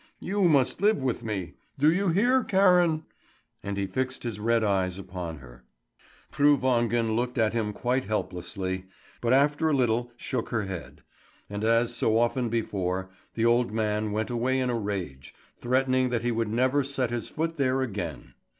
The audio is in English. You must live with me; do you hear, Karen?" And he fixed his red eyes upon her. Fru Wangen looked at him quite helplessly, but after a little shook her head; and as so often before, the old man went away in a rage, threatening that he would never set his foot there again.